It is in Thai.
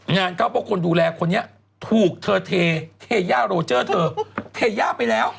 งานเขาเพราะคนดูแลคนนี้ถูกเธอเทย่าโรเจอร์เธอเทย่าไปแล้ว